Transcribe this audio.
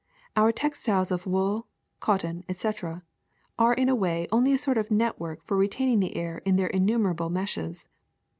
Our textiles of wool, cotton, etc., are in a way only a sort of network for retaining the air in their innumerable meshes.